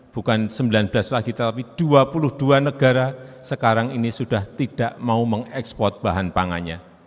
bukan sembilan belas lagi tetapi dua puluh dua negara sekarang ini sudah tidak mau mengekspor bahan pangannya